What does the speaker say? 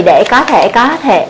để có thể có thể